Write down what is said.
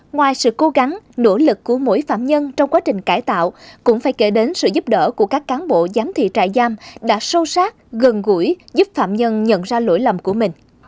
ngoài sự cố gắng nỗ lực của mỗi phạm nhân trong quá trình cải tạo cũng phải kể đến sự giúp đỡ của các cán bộ giám thị trại giam đã sâu sát gần gũi giúp phạm nhân nhận ra lỗi lầm của mình